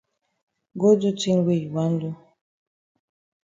Go do tin wey you wan do.